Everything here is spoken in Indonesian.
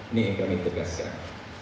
ini yang kami tegaskan